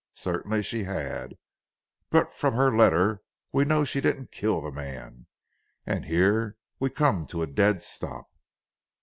Certainly she had; but from her letter we know she didn't kill the man. And here we come to a dead stop."